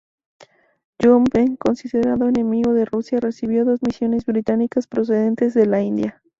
Yakub Beg, considerado enemigo de Rusia, recibió dos misiones británicas procedentes de la India.